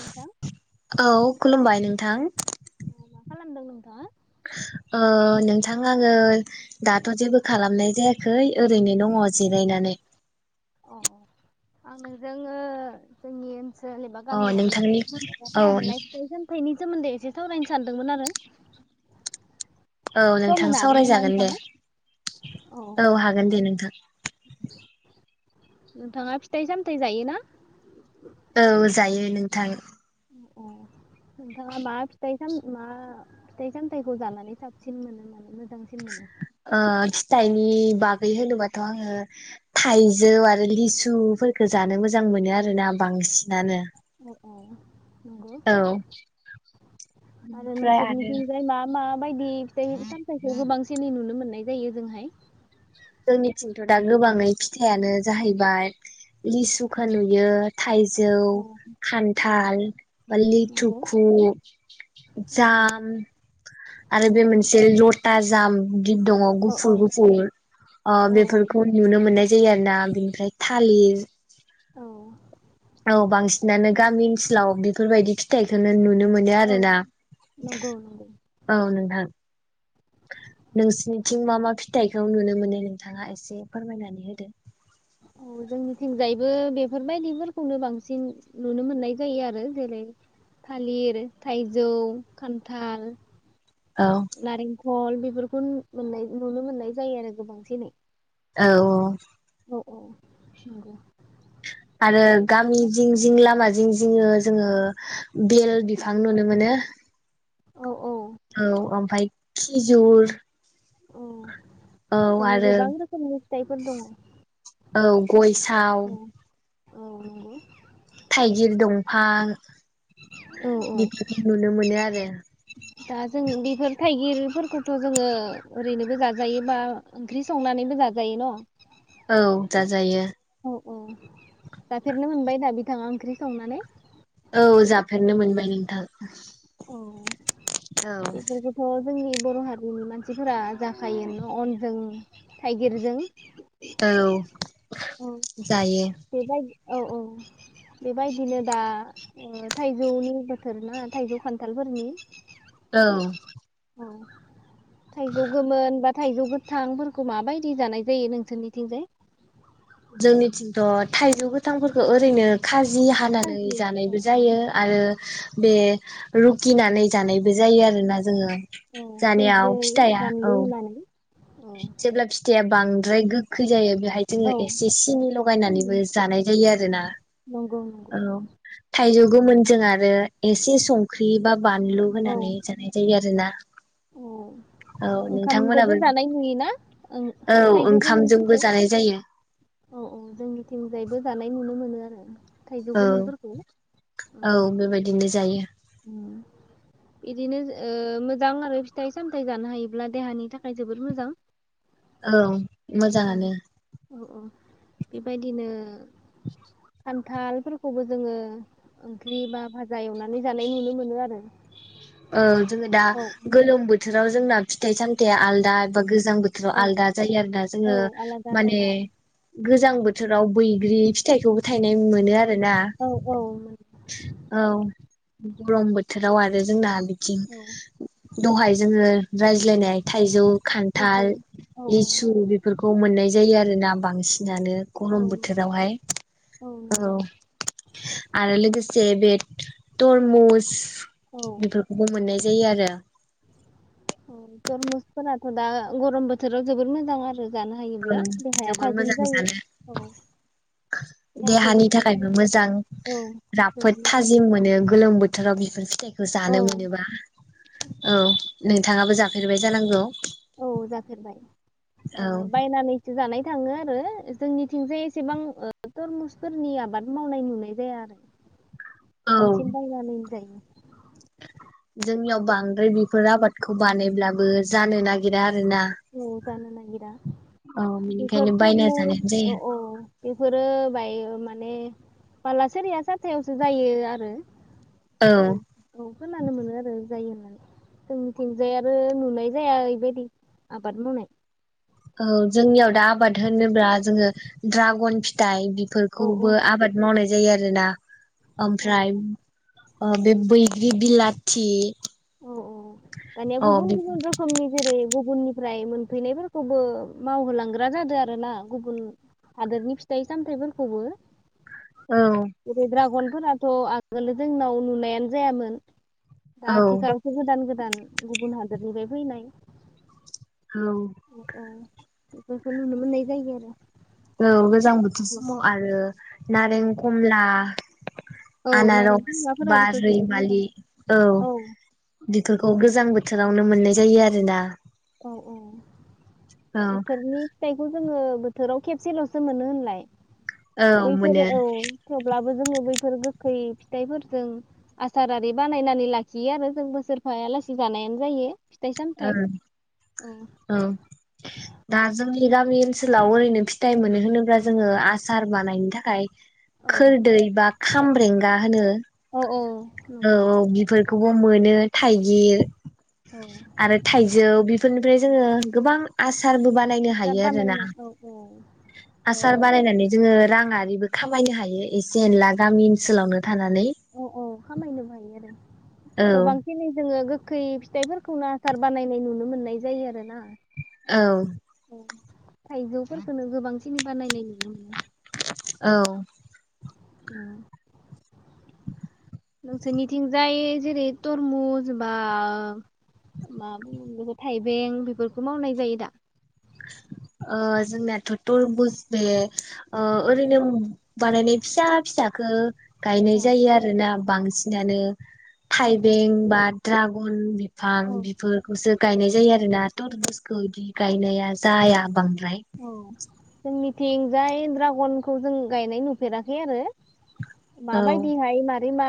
नोंथां औ खुलुमबाय नों थां मा खालामदों नोंथां ओ नोंथां आङो दाथ' जेबो खालामनाय जायाखै ओरैनो दङ जिरायनानै। अ आं नोंजों ओ जोंनि सोजेबा अ गामियारि नोंथांनि औ नखरफोराव मोननाय फिथाइ सामथाइनि सोमोन्दै एसे सावरायनो सानदोंमोन आरो। औ सम नोंथां होनो हागोन नामा सावरायजागोन दे नोंथाङा अ औ हागोन दे नोंथां। [inaudible] नोंथाङा फिथाइ सामथायाइ जायोना? थां अ नोंथांआ मा फिथाय मा फिथाइ सामथाइखौ जानानै साबसिन मोनो माने मोजां मोजांसिन मोनो ओ फिथाइनि बागै होनोबाथ' आङो थाइजौ आरो लिसुफोरखौ जानो मोजां मोनो आरोना बांसिनानो औ औ नंगौ औ आरो ओमफ्राय आरो नोंसोरनिथिंजाय मा मा बायदि फिथाइ सामथायखौ गोबांसिनै नुनो मोननाय जायो जोंहाय जोंनिथिंथ' दा गोबाङै फिथायानो जाहैबाय लिसुखो नुयो थाइजौ औ औ खान्थाल बा नंगौ लिथुखु औ जाम आरो औ बे मोनसे लथा जाम गिब दङ औ औ गुफुर गुफुर ओ औ औ बेफोरखौ नुनो मोननाय जायो आरो ना बिनिफ्राय थालिर औ औ बांसिनानो नंगौ गामि ओसोलाव बि बेफोरबायदि फिथाइखौनो नुनो मोनो औ आरोना नंगौ नंगौ औ नोंथां नोंसिनिथिं मा मा फिथाइखौ नुनो मोनो नोंथाङा एसे फोरमायनानै होदो औ जोंनिथिंजायबो बेफोरबायदिफोरखौनो बांसिन नुनो मोननाय जायो आरो जेरै थालिर थाइजौ खान्थाल औ नारेंखल खल बेफोरखौ मोननाय नुनो मोननाय जायो आरो गोबांसिनै औ औ औ नंगौ आरो गामि जिं जिं लामा जिं जिङो जोङो। बेल औ बिफां नुनो मोनो। औ औ औ ओमफाय खिजुर। औ औ जोङो आरो गोबां रोखोमनि फिथाइफोर दङ। औ। गय साव। औ औ नंगौ। थाइगिर दंफां। औ औ बेफोरखौ नुनो मोनो आरो। [inaudible] दा जों बेफोर थाइगिरफोरखौथ' जोङो ओरैनोबो जाजायो बा ओंख्रि संनानैबो जाजायो न'। औ जाजायो औ औ जाफेरनो मोनबाय दा बिथाङा ओंख्रि संनानै। औ जाफेरनो मोनबाय नोंथां। [unintelligible] औ जोंनि बर' हारिनि मानसिफोरा जाखायो न अनजों थाइगिरजों। औ जायो। बेबाय औ औ बेबायदिनो दा ओ थाइजौनि बोथोर ना खान्थालफोरनि। औ। औ। थाइजौ गोमोन बा थाइजौ गोथांफोरखौ माबायदि जानाय जायो नोंसोरनिथिंजाय। जोंनिथिंथ। थाइजौ गोथांफोरखौ ओरैनो खाजि हानानै खाजि औ जानायबो जायो आरो। बे रुखिनानै जानायबो जायो आरोना जोङो। औ संख्रै जानायाव फिथाया बानलु औ होनानै औ जेब्ला फिथाइया बांङो। द्राय गोखै जायो बे बेहाय जोङो औ एसे सिनि लगायनानैबो जानाय जायो आरो ना। नंगौ नंगौ औ थाइजौ गोमोन जों आरो एसे संख्रि बा बानलु औ होनानै जानाय जायो आरो ना। औ औ ओंखामदोबो नोंथांमोनाबो जानाय नुयोना ओं औ थाइजौ ओंखामजोंबो गोमोनफोरखौ जानाय जायो। औ औ जोंनिथिंजायबो जानाय नुनो मोनो आरो। थाइजौ औ गोमोनफोरखौ औ बेबायदिनो जायो। बिदिनो मोजां आरो फिथाइ सामथायाइ जानो हायोब्ला देहानि थाखाय जबोर मोजां। औ औ मोजाङानो। औ औ बेबायदिनो। [inaudible] खान्थालफोरखौबो जोङो ओंख्रि बा भाजा एवनानै जानाय नुनो मोनो आरो। औ जोङो दा औ गोलोम बोथोर बोथोराव जोंना फिथाइ सामथाइया आलदा एबा। गोजां बोथोराव औ आलदा जायो आरोना औ जोङो आलादा माने आलादा गोजां बोथोराव बै। बे फिथायाइखौबो थायनाय मोनो आरोना। औ औ औ गरम बोथोराव आरो। जोंना थिं औ दहाय जोङो। रायज्लायनाय थाइजौ खान्थाल, औ लिसु बेफोरखौ मोननाय जायो आरोना बांसिन जानो औ गरम बोथोरावहाय औ आरो लोगोसे जेरै बेट तरमुस। बेफोरखौबो मोननाय जायो आरो। अ तरमुसफोराथ' दा गरम बोथोराव जोबोद मोजां आरो। जानो औ हायोब्ला देहाया जोबोर थाजिम मोजां जायो औ जानो देहाखौ देहानि गुसु थाखायबो खालामो मोजां औ जोबोद राफोद मोजां थाजिम मोनो गोलोम बो थोराव बिफोर फिथाइ खौ औ जानो मोनोबा औ। नोंथाङाबो जाफेरबाय जानांगौ। औ जाफेरबाय ओ बायनानैसो जानाय। थाङो आरो जोंनिथिंजाय एसेबां ओ तरमुसफोरनि आबाद मावनाय नुनाय जाया आरो। बे औ बांसि बायनानैनो जायो। जोंनियाव बांद्राय बेफोर आबादखौ बानायब्लाबो जानो नागिरा आरोना औ जानो नागिरा औ बेनिखायनो बेफोरथ' बायना न'आ जानायानो औ जायो औ बेफोरो बायो माने माने बाला सेरिया साथायावसो जायो आरो। औ औ खानो मोनो आरो जायो होना जोंथिंजाय आरो नुनाय जाया, एबायदि आबाद मावनाय औ जोंनियाव दा आबाद होनोब्ला जोङो, द्रागन फिथाइ बि औ औ फोरखौबो आबाद मावनाय जायो आरो आरोना। ओमफ्राय। औ ओ बे बैग्रि बिलाथि अ औ औ दानिया अ गुबुन औ गुबुन रोखोमनि जेरै। गुबुननिफ्राय मोनफैनायफोरखौबो मावहोलांग्रा जादों आर ना, गुबुन हादोरनि फिथाइ सामथायाइफोरखौबो। औ जेरै द्रागन फोरथ' आगोलो जोंनाव नुनायानो जायामोन। दा। औ थेखारावथ' गोदान गोदान गुबुन हादरनिफ्राय फैनाय। औ। औ औ बेफोरखौ नुनो मोननाय जायो आरो। औ गोजां बोथोर समाव आरो नारें औ खमला। औ नारें आनारस बा खमलाफोराबोथ' जोबोद मोजां रैमालि औ बेफोरखौ गोजां बोथोरावनो मोननाय जायो आरोना। औ औ। औ बोथोरनि फिथाइखौ जोङो बोथोराव खेबसेल'सो मोनो होनलाय। औ मोनो बैफोरो औ थेवब्लाबो जोङो बैफोर गोखै फिथाइफोरजों आसारारि बानायनानै लाखियो आरो जों बोसोरफायालासि जानायानो जायो। फिथाइ सामथाइ ओं औ दा जों जोंनि गामि ओनसोलाव ओरैनो फिथाइ मोनो होनोब्ला जोङो आसार बानायनि थाखाय। खोरदै बा खामब्रेंगा होनो। औ। औ नंगौ औ बेफोर बेखौबो मोनो थाइगिर। औ हासार आरो थाइजौ बेफोरनि ओफ्राय जोङो गोबां आस आसारबो बानायनो हायो आरोना बानायना औ औ ओ आसार बानायनानै जोङो राङारिबो खामायनो हायो एसे एनला गामि ओनसोलावनो थानानै खामायनो बो हायो आरो औ गोबां दिनै जोङो गोखै फिथाइफोरखौनो आसार बानायनाय नुनो मोननाय जायो आरो ना। औ थाइजौफोरखोनो गोबां सिन बानायनाय नुनो मोनो औ नोंसोरनिथिंजाय जेरै तरमु बा जेनबा मा बे थाइबें बेफोरखौ मावनाय जायो दा? ओ जोंनाथ' तरबुज बे ओ ओरैनो बानायनाय फिसा फिसाखो गायनाय औ जायो आरोना बांसिनानो औ थाइबें बा द्राग गन बि बिफां औ बेफोरखौसो गायनाय जायो आरो ना तरमसखौ इदि गायनाया जाया बां औ जों मिथिंजाय ड्रागनखौ जों गायनाय नुफेराखै आरो औ माबायदि हाय मार रै मा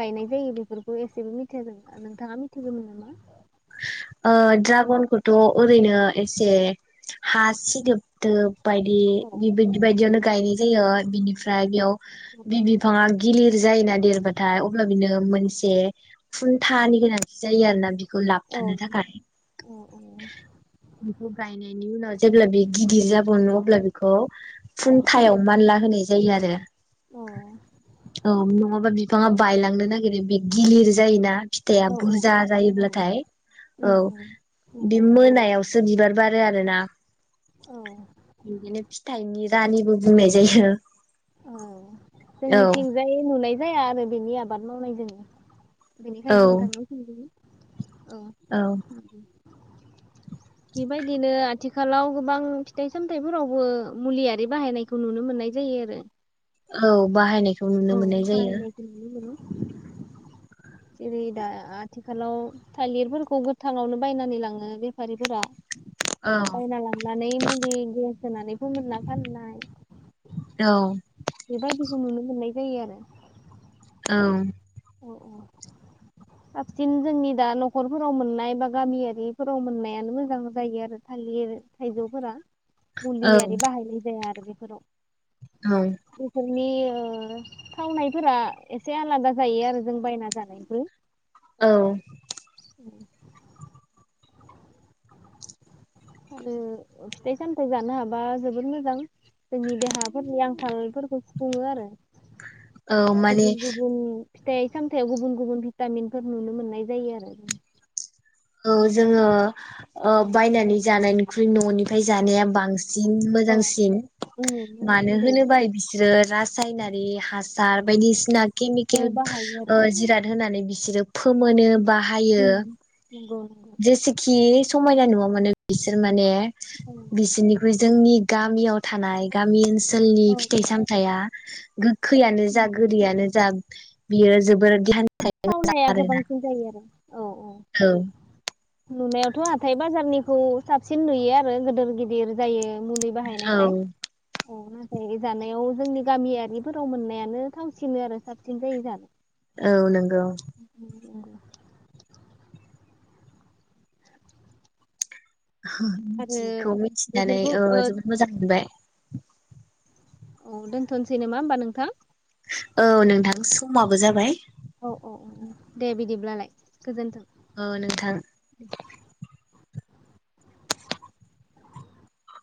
गायनाय जायो बेफोरखौ एसेबो मिथिया जों नोंथाङा मिथिगौमोन नामा? ओ ड्रागनखौथ' ओरैनो एसे हा सिदोबदोब बायदि औ निबिदि बायदियानो गायनाय जायो बिनिफ्राय बेयाव बि बिफाङा गिलि जायोना देरबाथाय अब्ला बिनो मोनसे खुन्थानि गोनांथि जायो आरोना बेखौ औ थानो थाखाय औ बिखौ गायनायनि उनाव जेब्ला बे गिदिर जाबावनो अब्ला बेखौ औ फुंथायाव मानला होनाय जायो आरो औ नङाबा बिफ बिफाङा बायलांनो नागिरो बि गिलिर जायोना फिथाइआ औ बुरजा औ जायोब्लाथाय उम औ उम बे नंगौ मोनायावसो बिबार बारो आरोना औ बिदिनो फिथाइनि रानिबो बुंनाय जायो औ औ जोंनिथिंजाय नुनाय जाया आरो बिनि आबाद मावनाय जों। औ बेनिखायनो नोंथांनियाव सोंदों। औ औ। बेबायदिनो आथिखालाव गोबां फिथाइ सामथाइफोरावबो मुलियारि बाहायनायखौ नुनो मोननाय जायो आरो। औ बाहायनाय औ बाहायनायखौ नुनो मोनो। जेरै दा आथिखालाव थालिरफोरखौ गोथाङावनो बायनानै लाङो बेफारिफोरा। औ बायना लांनानै मुलि होनानै फोमोनना फाननाय औ। बेबायदिखौ नुनो मोननाय जायो आरो। औ। अ अ साबसिन जोंनि दा नखरफोराव मोननाय बा गामियारिफोराव मोननायानो मोजां जायो आरो थालिर थाइजौफोरा। औ मुलियारि बाहायनाय जाया बेफोराव औ। बेफोरनि ओ थावनायफोरा एसे आलादा जायो आरो जों बायना जानायनिख्रुय। औ। [inaudible] आरो फिथाइ सामथाइ जानो हाबा जोबोर मोजां जोंनि देहाफोरनि आंखालफोरखौ सुफुङो आरो। औ माने गुबुन गुबन फिथाइ सामथाइयाव गुबुन गुबुन भिटामिनफोर नुनो मोननाय जायो आरो। ओं। औ जोङो ओ औ बायनानै जानायनि ख्रुय ननिफ्राय जानाया बांसि न मोजांसिन। औ मानो मोजांसिन जायो होनोब्ला बिसोरो रासायनारि हासार बायदिसिना केमिकेल औ बाहायो आरो ओ जिराद होनानै बिसोरो फोमोनो बाहायो हुम नोंगौ। जेसेखि समायना नुवा माने बिसोर माने औ बिसिनिख्रुय जोंनि गामियाव थानाय गामि ओनसो लनि औ फिथाइ औ सामथाइया गो खैयानो जा गोदैयानो जा बियो जोबोर दियान थावनाया गोबांसिन जायो आरो औ औ औ। नुनायावथ' हाथाय बाजारनिखौ साबसिन नुयो आरो गोदोर गिदिर जायो। मुलि औ बाहायनायखाय औ नो फाय जानायाव जोंनि गामियारिफोराव मोननायानो थांसिनो आरो साबसिन जायो जानो। औ नों [unintelligible] नंगौ आरो मिथियिखौ मिथिनानै ओ जोबोद मोजां मोनबाय। औ दोनथ'नोसै नामा होमबा नोंथां? औ नोंथां समाबो जाबाय। औ औ औ औ दे बिदिब्लालाय। गोजोन्थों। ओ नोंथां।